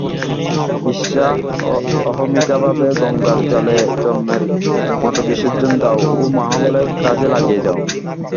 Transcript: ঈর্ষা অহমিকাভাব গঙ্গার জলে জন্মের মত বিসর্জন দাও ও মহাবলে কাজে লাগিয়া যাও।